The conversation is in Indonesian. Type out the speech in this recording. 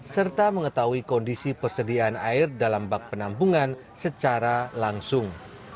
serta mengetahui kondisi persediaan air dalam bak penampungan secara langsung